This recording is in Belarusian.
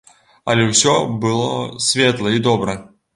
Але ўсё было светла і добра.